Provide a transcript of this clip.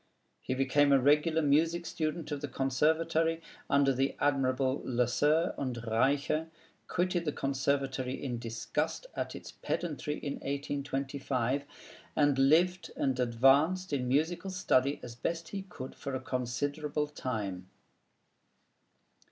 He became a regular music student of the Conservatory, under the admirable Lesueur and Reicha; quitted the Conservatory in disgust at its pedantry, in 1825; and lived and advanced in musical study as best he could for a considerable time.